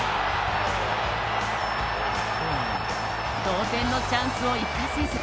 同点のチャンスを生かせず。